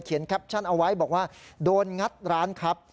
แคปชั่นเอาไว้บอกว่าโดนงัดร้านครับ